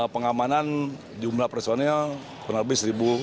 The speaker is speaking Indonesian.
pengamanan jumlah personil pun lebih satu tujuh ratus